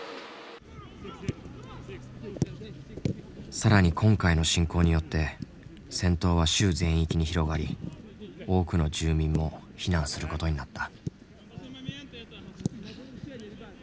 更に今回の侵攻によって戦闘は州全域に広がり多くの住民も避難することになった。